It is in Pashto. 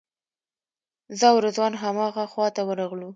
زه او رضوان همغه خواته ورغلو.